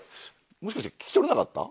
もしかして聞き取れなかった？